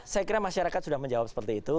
saya kira masyarakat sudah menjawab seperti itu